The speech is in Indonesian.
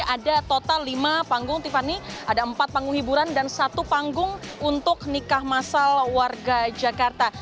ada total lima panggung tiffany ada empat panggung hiburan dan satu panggung untuk nikah masal warga jakarta